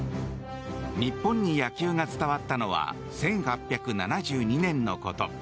日本に野球が伝わったのは１８７２年のこと。